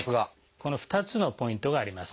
この２つのポイントがあります。